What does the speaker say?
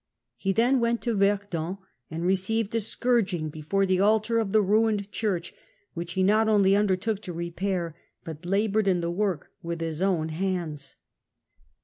, He then went to Verdun and received a scourging before the altar of the ruined church, which he not only undertook to repair, but laboured in the work with his own hands.